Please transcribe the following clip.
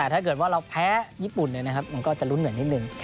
แต่ถ้าเกิดว่าเราแพ้ญี่ปุ่นเนี่ยนะครับมันก็จะรุ้นเหมือนนิดนึง